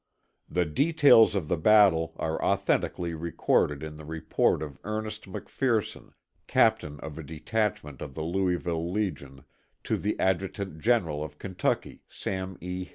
The details of the battle are authentically recorded in the report of Ernest McPherson, captain of a detachment of the Louisville Legion, to the Adjutant General of Kentucky, Sam E.